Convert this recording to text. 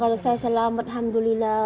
kalau saya selamat alhamdulillah